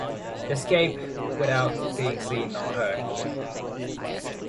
They scape without being seen nor heard.